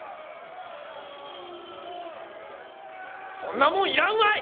そんなもんいらんわい！